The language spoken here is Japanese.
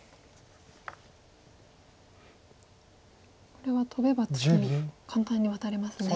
これはトベば次簡単にワタれますね。